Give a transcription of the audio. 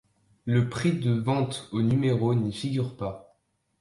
Le prix de vente au numéro n'y figure pas.